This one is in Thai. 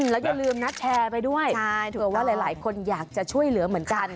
แล้วอย่าลืมนะแชร์ไปด้วยเผื่อว่าหลายคนอยากจะช่วยเหลือเหมือนกัน